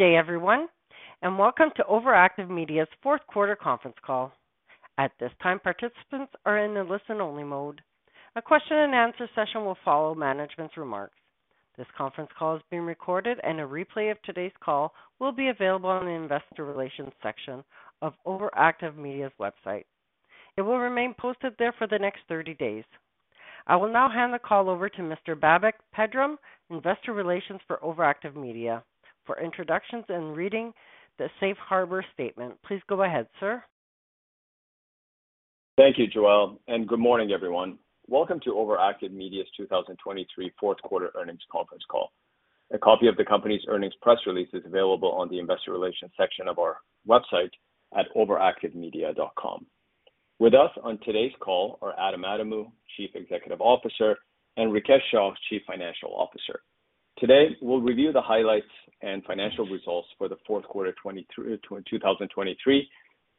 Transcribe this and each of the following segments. Good day, everyone, and welcome to OverActive Media's fourth-quarter conference call. At this time, participants are in the listen-only mode. A question-and-answer session will follow management's remarks. This conference call is being recorded, and a replay of today's call will be available on the investor relations section of OverActive Media's website. It will remain posted there for the next 30 days. I will now hand the call over to Mr. Babak Pedram, Investor Relations for OverActive Media, for introductions and reading the Safe Harbor statement. Please go ahead, sir. Thank you, Joelle, and good morning, everyone. Welcome to OverActive Media's 2023 fourth-quarter earnings conference call. A copy of the company's earnings press release is available on the investor relations section of our website at overactivemedia.com. With us on today's call are Adam Adamou, Chief Executive Officer, and Rikesh Shah, Chief Financial Officer. Today we'll review the highlights and financial results for the fourth quarter 2023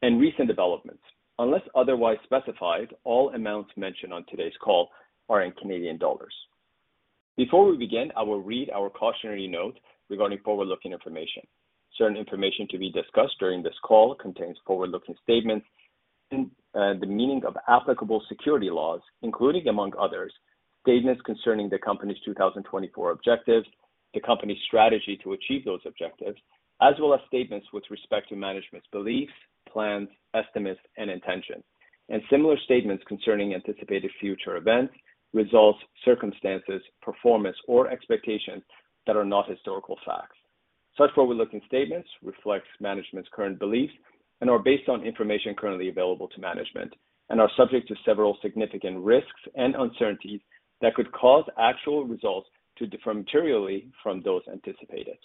and recent developments. Unless otherwise specified, all amounts mentioned on today's call are in Canadian dollars. Before we begin, I will read our cautionary note regarding forward-looking information. Certain information to be discussed during this call contains forward-looking statements within the meaning of applicable securities laws, including, among others, statements concerning the company's 2024 objectives, the company's strategy to achieve those objectives, as well as statements with respect to management's beliefs, plans, estimates, and intentions, and similar statements concerning anticipated future events, results, circumstances, performance, or expectations that are not historical facts. Such forward-looking statements reflect management's current beliefs and are based on information currently available to management and are subject to several significant risks and uncertainties that could cause actual results to differ materially from those anticipated.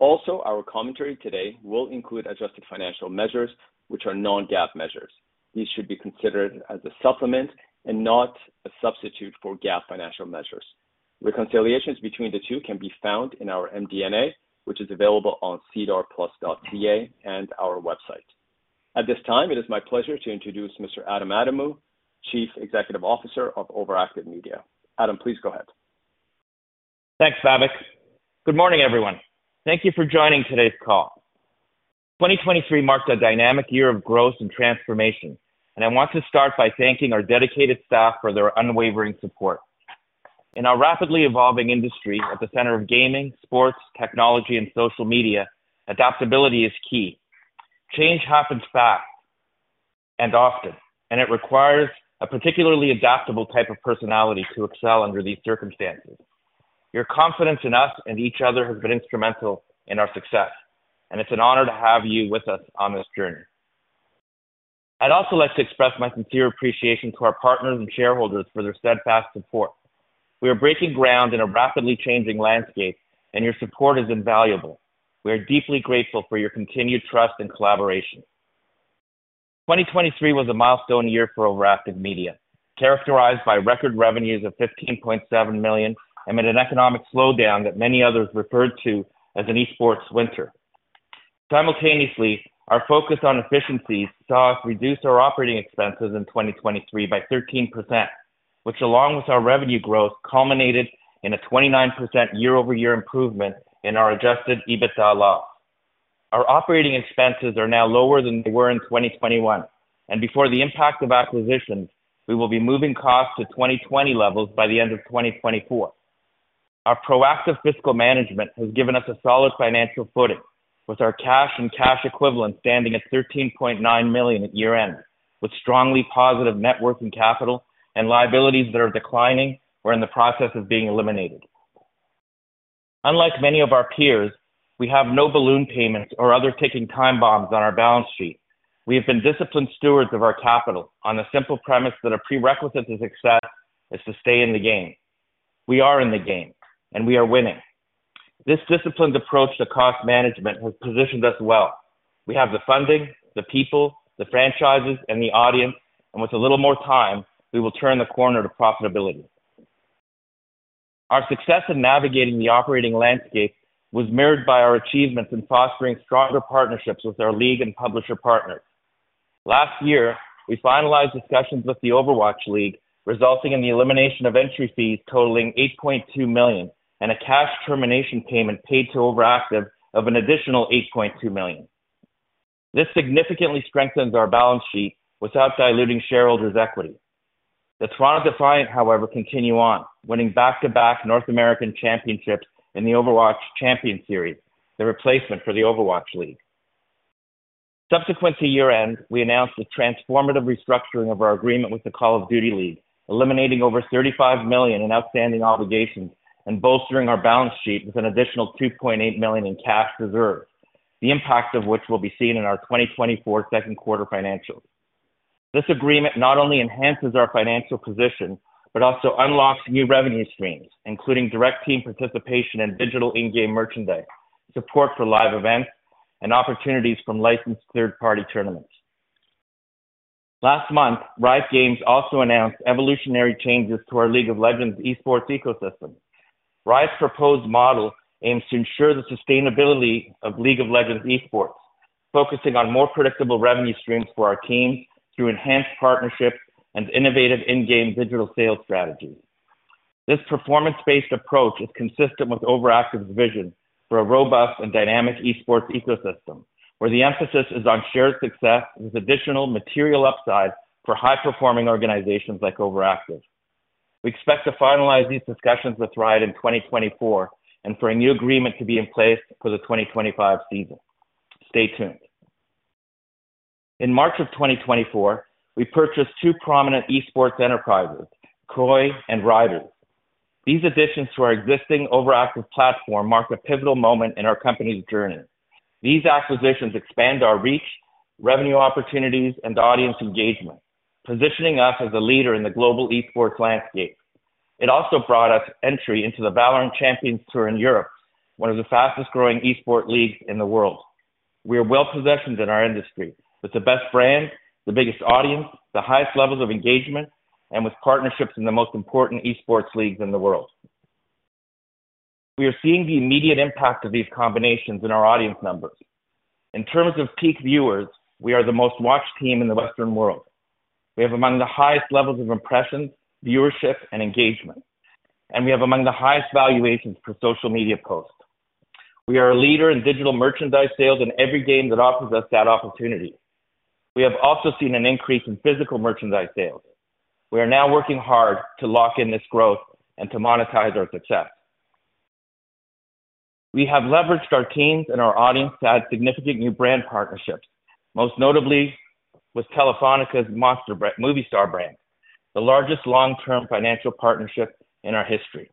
Also, our commentary today will include adjusted financial measures, which are non-GAAP measures. These should be considered as a supplement and not a substitute for GAAP financial measures. Reconciliations between the two can be found in our MD&A, which is available on sedarplus.ca and our website. At this time, it is my pleasure to introduce Mr. Adam Adamou, Chief Executive Officer of OverActive Media. Adam, please go ahead. Thanks, Babak. Good morning, everyone. Thank you for joining today's call. 2023 marked a dynamic year of growth and transformation. I want to start by thanking our dedicated staff for their unwavering support. In our rapidly evolving industry at the center of gaming, sports, technology, and social media, adaptability is key. Change happens fast and often. It requires a particularly adaptable type of personality to excel under these circumstances. Your confidence in us and each other has been instrumental in our success, and it's an honor to have you with us on this journey. I'd also like to express my sincere appreciation to our partners and shareholders for their steadfast support. We are breaking ground in a rapidly changing landscape, and your support is invaluable. We are deeply grateful for your continued trust and collaboration. 2023 was a milestone year for OverActive Media, characterized by record revenues of 15.7 million and an economic slowdown that many others referred to as an esports winter. Simultaneously, our focus on efficiencies saw us reduce our operating expenses in 2023 by 13%, which, along with our revenue growth, culminated in a 29% year-over-year improvement in our Adjusted EBITDA loss. Our operating expenses are now lower than they were in 2021, and before the impact of acquisitions, we will be moving costs to 2020 levels by the end of 2024. Our proactive fiscal management has given us a solid financial footing, with our cash and cash equivalent standing at 13.9 million at year-end, with strongly positive net worth and capital and liabilities that are declining or in the process of being eliminated. Unlike many of our peers, we have no balloon payments or other ticking time bombs on our balance sheet. We have been disciplined stewards of our capital on the simple premise that a prerequisite to success is to stay in the game. We are in the game, and we are winning. This disciplined approach to cost management has positioned us well. We have the funding, the people, the franchises, and the audience, and with a little more time, we will turn the corner to profitability. Our success in navigating the operating landscape was mirrored by our achievements in fostering stronger partnerships with our league and publisher partners. Last year, we finalized discussions with the Overwatch League, resulting in the elimination of entry fees totaling 8.2 million and a cash termination payment paid to OverActive of an additional 8.2 million. This significantly strengthens our balance sheet without diluting shareholders' equity. The Toronto Defiant, however, continues on, winning back-to-back North American championships in the Overwatch Champions Series, the replacement for the Overwatch League. Subsequent to year-end, we announced a transformative restructuring of our agreement with the Call of Duty League, eliminating over 35 million in outstanding obligations and bolstering our balance sheet with an additional 2.8 million in cash reserves, the impact of which will be seen in our 2024 second-quarter financials. This agreement not only enhances our financial position but also unlocks new revenue streams, including direct team participation in digital in-game merchandise, support for live events, and opportunities from licensed third-party tournaments. Last month, Riot Games also announced evolutionary changes to our League of Legends esports ecosystem. Riot's proposed model aims to ensure the sustainability of League of Legends esports, focusing on more predictable revenue streams for our teams through enhanced partnerships and innovative in-game digital sales strategies. This performance-based approach is consistent with OverActive's vision for a robust and dynamic esports ecosystem, where the emphasis is on shared success with additional material upside for high-performing organizations like OverActive. We expect to finalize these discussions with Riot in 2024 and for a new agreement to be in place for the 2025 season. Stay tuned. In March of 2024, we purchased two prominent esports enterprises, KOI and Riders. These additions to our existing OverActive platform mark a pivotal moment in our company's journey. These acquisitions expand our reach, revenue opportunities, and audience engagement, positioning us as a leader in the global esports landscape. It also brought us entry into the VALORANT Champions Tour in Europe, one of the fastest-growing esports leagues in the world. We are well-positioned in our industry with the best brand, the biggest audience, the highest levels of engagement, and with partnerships in the most important esports leagues in the world. We are seeing the immediate impact of these combinations in our audience numbers. In terms of peak viewers, we are the most-watched team in the Western world. We have among the highest levels of impressions, viewership, and engagement, and we have among the highest valuations for social media posts. We are a leader in digital merchandise sales in every game that offers us that opportunity. We have also seen an increase in physical merchandise sales. We are now working hard to lock in this growth and to monetize our success. We have leveraged our teams and our audience to add significant new brand partnerships, most notably with Telefónica's Movistar brand, the largest long-term financial partnership in our history.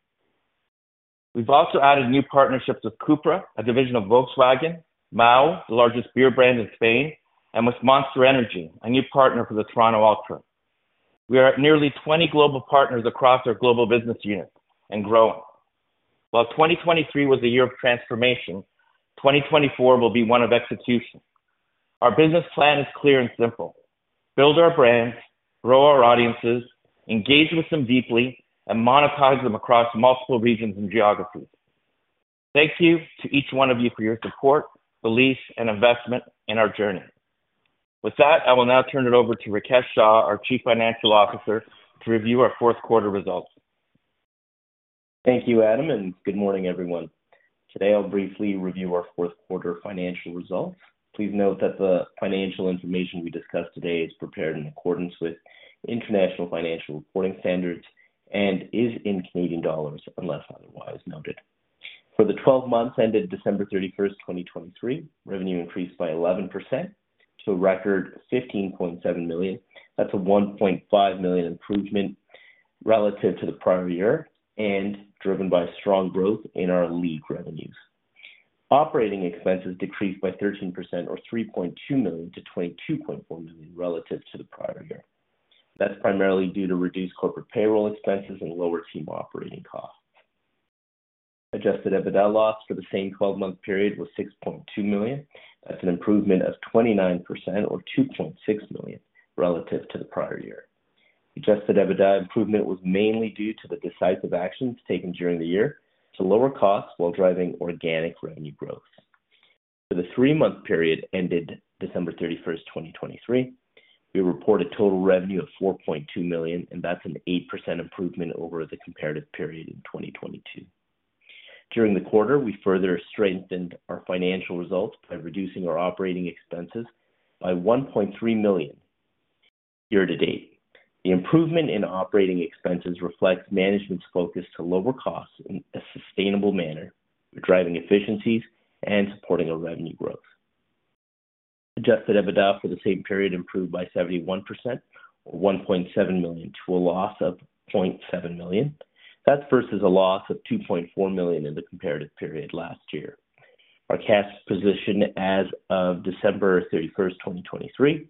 We've also added new partnerships with CUPRA, a division of Volkswagen, Mahou, the largest beer brand in Spain, and with Monster Energy, a new partner for the Toronto Ultra. We are at nearly 20 global partners across our global business unit and growing. While 2023 was a year of transformation, 2024 will be one of execution. Our business plan is clear and simple: build our brands, grow our audiences, engage with them deeply, and monetize them across multiple regions and geographies. Thank you to each one of you for your support, beliefs, and investment in our journey. With that, I will now turn it over to Rikesh Shah, our Chief Financial Officer, to review our fourth-quarter results. Thank you, Adam, and good morning, everyone. Today, I'll briefly review our fourth-quarter financial results. Please note that the financial information we discuss today is prepared in accordance with international financial reporting standards and is in Canadian dollars unless otherwise noted. For the 12 months ended December 31st, 2023, revenue increased by 11% to a record 15.7 million. That's a 1.5 million improvement relative to the prior year and driven by strong growth in our league revenues. Operating expenses decreased by 13%, or 3.2 million, to 22.4 million relative to the prior year. That's primarily due to reduced corporate payroll expenses and lower team operating costs. Adjusted EBITDA loss for the same 12-month period was 6.2 million. That's an improvement of 29%, or 2.6 million, relative to the prior year. Adjusted EBITDA improvement was mainly due to the decisive actions taken during the year to lower costs while driving organic revenue growth. For the three-month period ended December 31st, 2023, we report a total revenue of 4.2 million, and that's an 8% improvement over the comparative period in 2022. During the quarter, we further strengthened our financial results by reducing our operating expenses by 1.3 million year-to-date. The improvement in operating expenses reflects management's focus to lower costs in a sustainable manner, driving efficiencies and supporting revenue growth. Adjusted EBITDA for the same period improved by 71%, or 1.7 million, to a loss of 0.7 million. That's versus a loss of 2.4 million in the comparative period last year. Our cash position as of December 31st, 2023,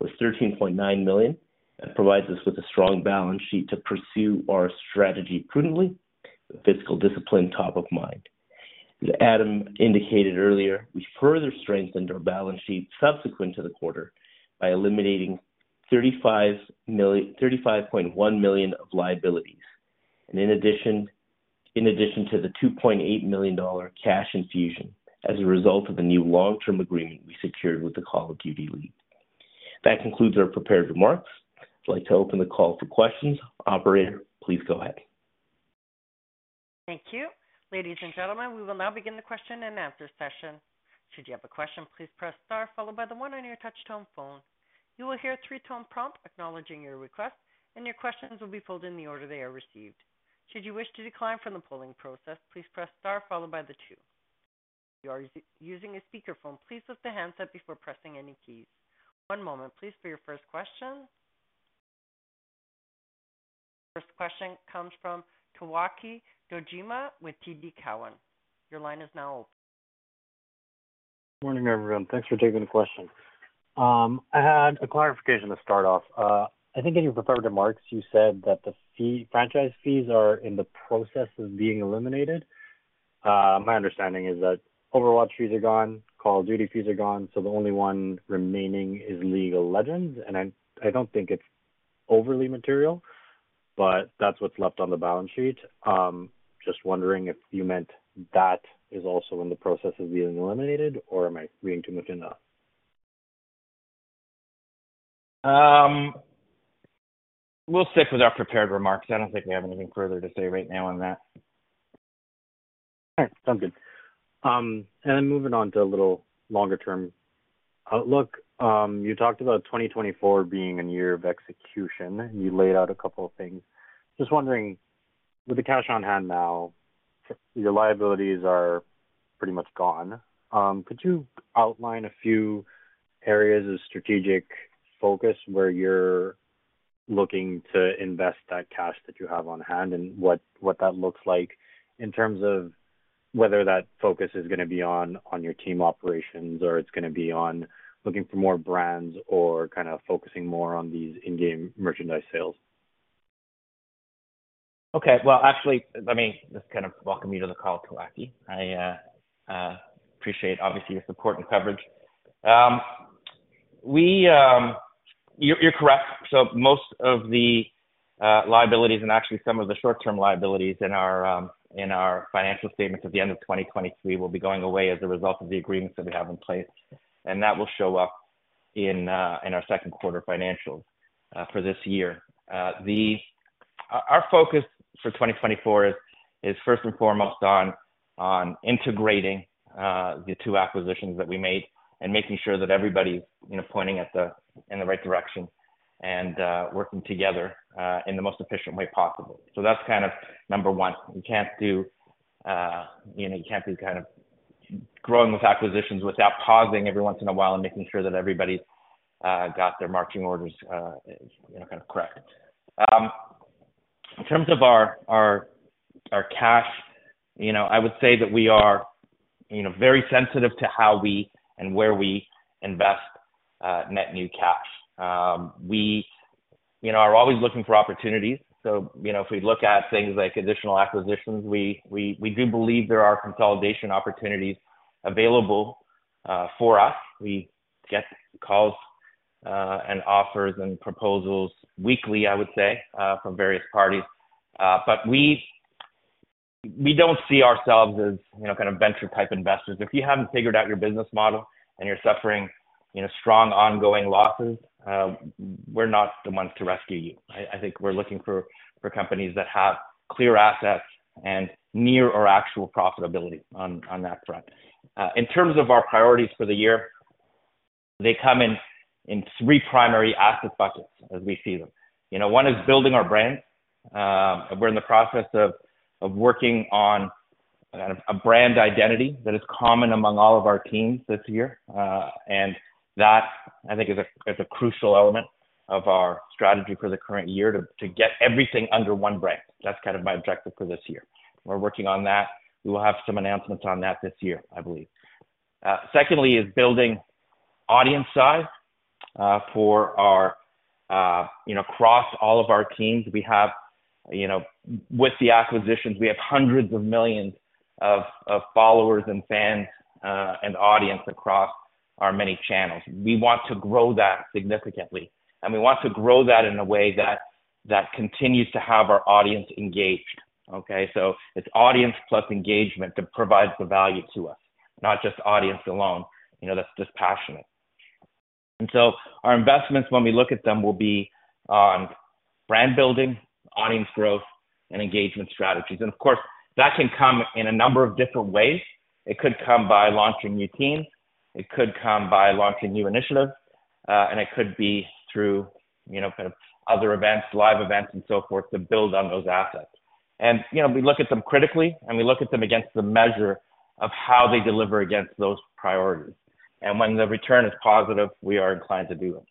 was 13.9 million. That provides us with a strong balance sheet to pursue our strategy prudently with fiscal discipline top of mind. As Adam indicated earlier, we further strengthened our balance sheet subsequent to the quarter by eliminating 35.1 million of liabilities and in addition to the 2.8 million dollar cash infusion as a result of the new long-term agreement we secured with the Call of Duty League. That concludes our prepared remarks. I'd like to open the call for questions. Operator, please go ahead. Thank you. Ladies and gentlemen, we will now begin the question-and-answer session. Should you have a question, please press star followed by the one on your touch-tone phone. You will hear a three-tone prompt acknowledging your request, and your questions will be pulled in the order they are received. Should you wish to decline from the polling process, please press star followed by the two. If you are using a speakerphone, please lift the handset before pressing any keys. One moment, please, for your first question. First question comes from Towaki Dojima with TD Cowen. Your line is now open. Good morning, everyone. Thanks for taking the question. I had a clarification to start off. I think in your prepared remarks, you said that the franchise fees are in the process of being eliminated. My understanding is that Overwatch fees are gone, Call of Duty fees are gone, so the only one remaining is League of Legends. And I don't think it's overly material, but that's what's left on the balance sheet. Just wondering if you meant that is also in the process of being eliminated, or am I reading too much into it? We'll stick with our prepared remarks. I don't think we have anything further to say right now on that. All right. Sounds good. And then moving on to a little longer-term outlook, you talked about 2024 being a year of execution, and you laid out a couple of things. Just wondering, with the cash on hand now, your liabilities are pretty much gone. Could you outline a few areas of strategic focus where you're looking to invest that cash that you have on hand and what that looks like in terms of whether that focus is going to be on your team operations or it's going to be on looking for more brands or kind of focusing more on these in-game merchandise sales? Okay. Well, actually, I mean, just kind of welcoming you to the call, Towaki. I appreciate, obviously, your support and coverage. You're correct. So most of the liabilities and actually some of the short-term liabilities in our financial statements at the end of 2023 will be going away as a result of the agreements that we have in place, and that will show up in our second-quarter financials for this year. Our focus for 2024 is first and foremost on integrating the two acquisitions that we made and making sure that everybody's pointing in the right direction and working together in the most efficient way possible. So that's kind of number one. You can't be kind of growing with acquisitions without pausing every once in a while and making sure that everybody's got their marching orders kind of correct. In terms of our cash, I would say that we are very sensitive to how we and where we invest net new cash. We are always looking for opportunities. So if we look at things like additional acquisitions, we do believe there are consolidation opportunities available for us. We get calls and offers and proposals weekly, I would say, from various parties. But we don't see ourselves as kind of venture-type investors. If you haven't figured out your business model and you're suffering strong ongoing losses, we're not the ones to rescue you. I think we're looking for companies that have clear assets and near or actual profitability on that front. In terms of our priorities for the year, they come in three primary asset buckets as we see them. One is building our brands. We're in the process of working on kind of a brand identity that is common among all of our teams this year. And that, I think, is a crucial element of our strategy for the current year to get everything under one brand. That's kind of my objective for this year. We're working on that. We will have some announcements on that this year, I believe. Secondly is building audience size across all of our teams. With the acquisitions, we have hundreds of millions of followers and fans and audience across our many channels. We want to grow that significantly, and we want to grow that in a way that continues to have our audience engaged, okay? So it's audience plus engagement that provides the value to us, not just audience alone. That's just passionate. So our investments, when we look at them, will be on brand building, audience growth, and engagement strategies. Of course, that can come in a number of different ways. It could come by launching new teams. It could come by launching new initiatives. It could be through kind of other events, live events, and so forth to build on those assets. We look at them critically, and we look at them against the measure of how they deliver against those priorities. When the return is positive, we are inclined to do it.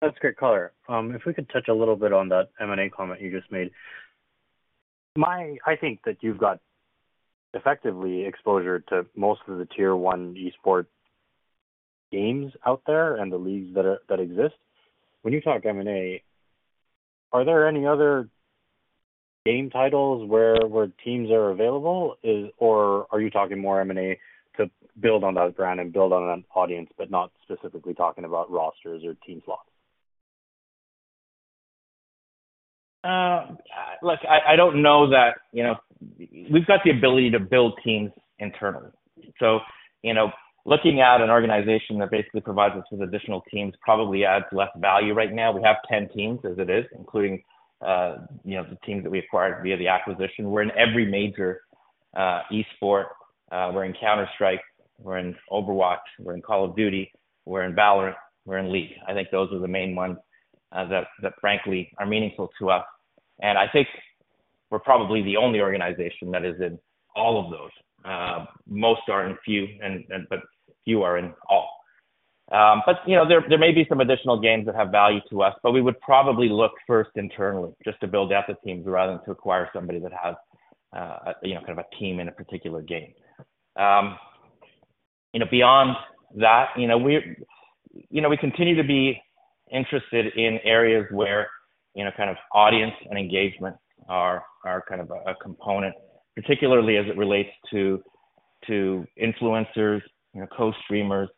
That's a great color. If we could touch a little bit on that M&A comment you just made. I think that you've got effectively exposure to most of the tier-one esports games out there and the leagues that exist. When you talk M&A, are there any other game titles where teams are available, or are you talking more M&A to build on that brand and build on that audience but not specifically talking about rosters or team slots? Look, I don't know that we've got the ability to build teams internally. So looking at an organization that basically provides us with additional teams probably adds less value right now. We have 10 teams as it is, including the teams that we acquired via the acquisition. We're in every major esports. We're in Counter-Strike. We're in Overwatch. We're in Call of Duty. We're in VALORANT. We're in League. I think those are the main ones that, frankly, are meaningful to us. And I think we're probably the only organization that is in all of those. Most are in few, but few are in all. But there may be some additional games that have value to us, but we would probably look first internally just to build esports teams rather than to acquire somebody that has kind of a team in a particular game. Beyond that, we continue to be interested in areas where kind of audience and engagement are kind of a component, particularly as it relates to influencers, co-streamers,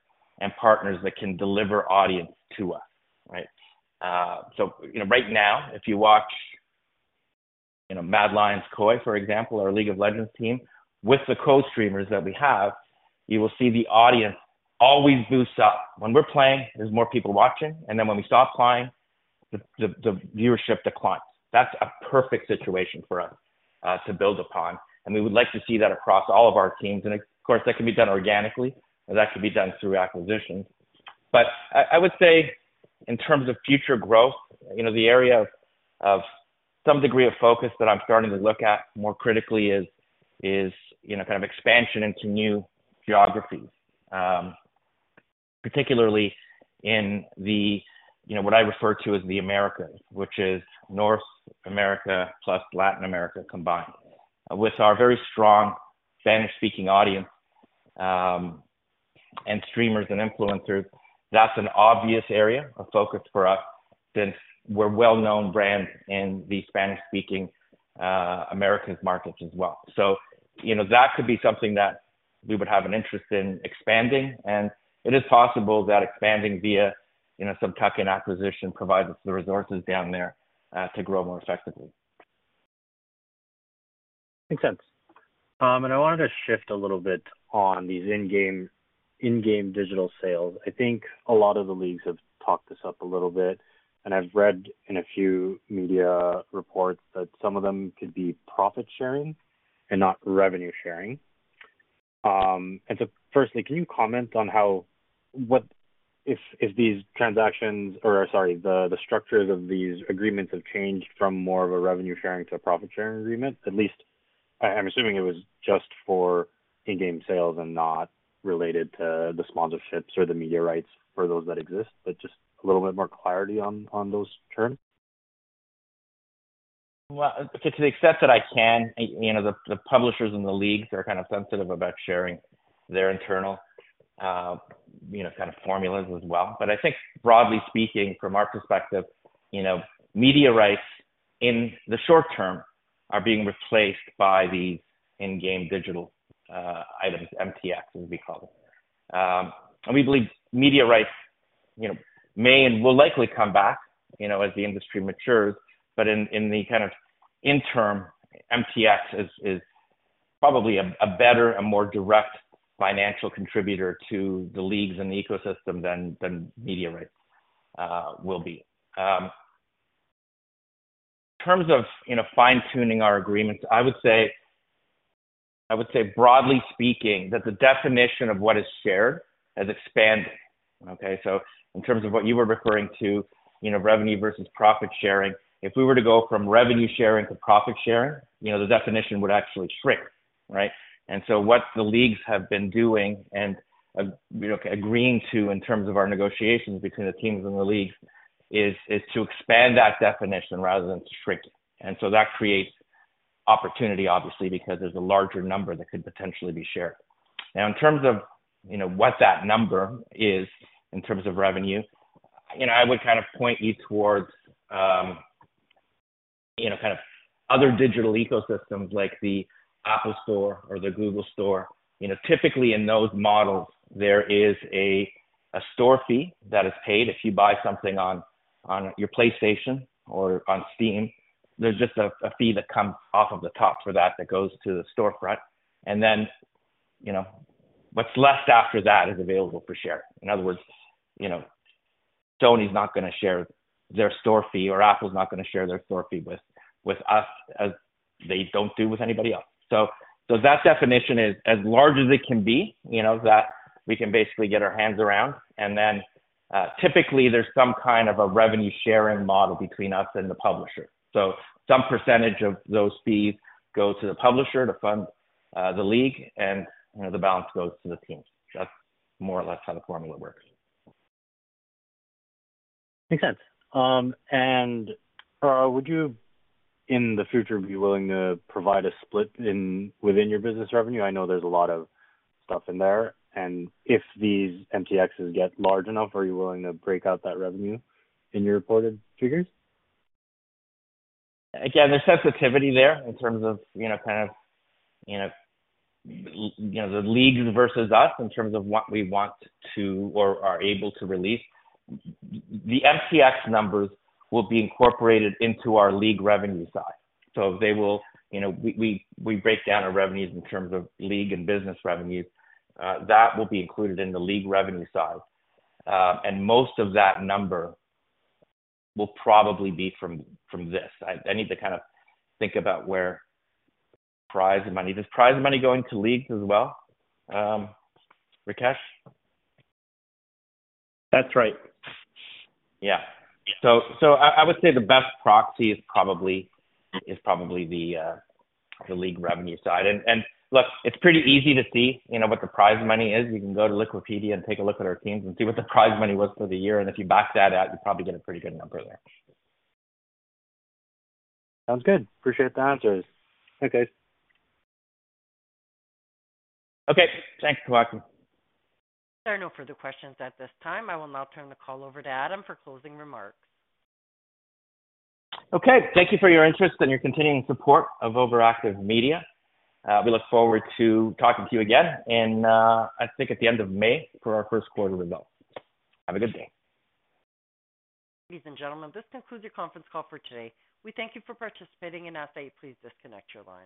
and partners that can deliver audience to us, right? So right now, if you watch MAD Lions KOI, for example, our League of Legends team, with the co-streamers that we have, you will see the audience always boost up. When we're playing, there's more people watching. And then when we stop playing, the viewership declines. That's a perfect situation for us to build upon. And we would like to see that across all of our teams. And of course, that can be done organically, or that could be done through acquisitions. But I would say in terms of future growth, the area of some degree of focus that I'm starting to look at more critically is kind of expansion into new geographies, particularly in what I refer to as the Americas, which is North America plus Latin America combined. With our very strong Spanish-speaking audience and streamers and influencers, that's an obvious area of focus for us since we're well-known brands in the Spanish-speaking Americas markets as well. So that could be something that we would have an interest in expanding. And it is possible that expanding via some tuck-in acquisition provides us the resources down there to grow more effectively. Makes sense. I wanted to shift a little bit on these in-game digital sales. I think a lot of the leagues have talked this up a little bit. I've read in a few media reports that some of them could be profit-sharing and not revenue-sharing. So firstly, can you comment on how if these transactions or, sorry, the structures of these agreements have changed from more of a revenue-sharing to a profit-sharing agreement? At least I'm assuming it was just for in-game sales and not related to the sponsorships or the media rights for those that exist, but just a little bit more clarity on those terms. Well, to the extent that I can, the publishers and the leagues are kind of sensitive about sharing their internal kind of formulas as well. But I think, broadly speaking, from our perspective, media rights in the short term are being replaced by these in-game digital items, MTX, as we call them. And we believe media rights may and will likely come back as the industry matures. But in the kind of interim, MTX is probably a better, a more direct financial contributor to the leagues and the ecosystem than media rights will be. In terms of fine-tuning our agreements, I would say, broadly speaking, that the definition of what is shared has expanded, okay? So in terms of what you were referring to, revenue versus profit-sharing, if we were to go from revenue-sharing to profit-sharing, the definition would actually shrink, right? What the leagues have been doing and agreeing to in terms of our negotiations between the teams and the leagues is to expand that definition rather than to shrink it. That creates opportunity, obviously, because there's a larger number that could potentially be shared. Now, in terms of what that number is in terms of revenue, I would kind of point you towards kind of other digital ecosystems like the Apple Store or the Google Store. Typically, in those models, there is a store fee that is paid. If you buy something on your PlayStation or on Steam, there's just a fee that comes off of the top for that that goes to the storefront. Then what's left after that is available for share. In other words, Sony's not going to share their store fee, or Apple's not going to share their store fee with us as they don't do with anybody else. So that definition is as large as it can be that we can basically get our hands around. And then typically, there's some kind of a revenue-sharing model between us and the publisher. So some percentage of those fees go to the publisher to fund the league, and the balance goes to the teams. That's more or less how the formula works. Makes sense. Would you, in the future, be willing to provide a split within your business revenue? I know there's a lot of stuff in there. And if these MTXs get large enough, are you willing to break out that revenue in your reported figures? Again, there's sensitivity there in terms of kind of the leagues versus us in terms of what we want to or are able to release. The MTX numbers will be incorporated into our league revenue side. So if they will we break down our revenues in terms of league and business revenues. That will be included in the league revenue side. And most of that number will probably be from this. I need to kind of think about where prize money is going. Is prize money going to leagues as well, Rikesh? That's right. Yeah. So I would say the best proxy is probably the league revenue side. And look, it's pretty easy to see what the prize money is. You can go to Wikipedia and take a look at our teams and see what the prize money was for the year. And if you back that out, you'll probably get a pretty good number there. Sounds good. Appreciate the answers. Okay. Okay. Thanks for watching. There are no further questions at this time. I will now turn the call over to Adam for closing remarks. Okay. Thank you for your interest and your continuing support of OverActive Media. We look forward to talking to you again, I think, at the end of May for our first quarter results. Have a good day. Ladies and gentlemen, this concludes your conference call for today. We thank you for participating in today. Please disconnect your line.